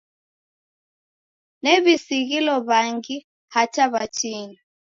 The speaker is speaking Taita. Ndew'isighilo w'angi hata w'atini.